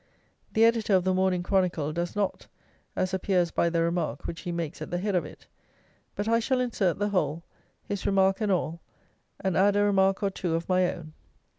The Editor of the Morning Chronicle does not, as appears by the remark which he makes at the head of it; but I shall insert the whole, his remark and all, and add a remark or two of my own.